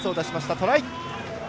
トライ。